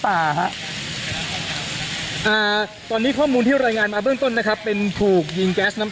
ทางกลุ่มมวลชนทะลุฟ้าทางกลุ่มมวลชนทะลุฟ้า